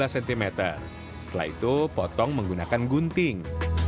setelah itu potong menggunakan gunting